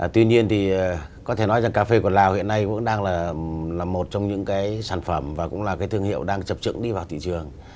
tuy nhiên thì có thể nói rằng cà phê của lào hiện nay cũng đang là một trong những cái sản phẩm và cũng là cái thương hiệu đang chập trứng đi vào thị trường